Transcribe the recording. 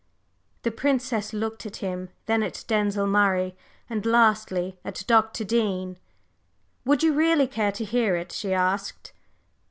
The Princess looked at him, then at Denzil Murray, and lastly at Dr. Dean. "Would you really care to hear it?" she asked.